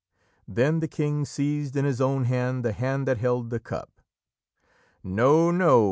Then the King seized in his own hand the hand that held the cup. "No! no!